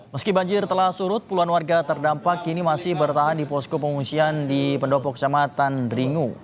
meski banjir telah surut puluhan warga terdampak kini masih bertahan di posko pengungsian di pendopo kecamatan dringu